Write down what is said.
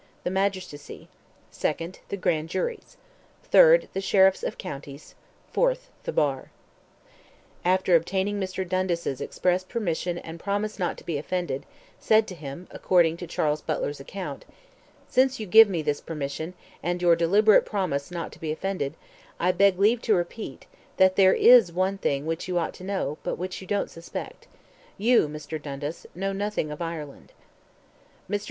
The magistracy. 2nd. The grand juries. 3rd. The sheriffs of counties. 4th. The bar. It was in this interview that Keogh, after obtaining Mr. Dundas's express permission and promise not to be offended, said to him, according to Charles Butler's account, "Since you give me this permission, and your deliberate promise not to be offended, I beg leave to repeat, that there is one thing which you ought to know, but which you don't suspect: you, Mr. Dundas, know nothing of Ireland." Mr.